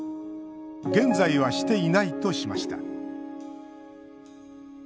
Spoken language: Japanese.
現在はしていないとしました。